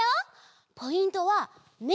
ポイントはめ！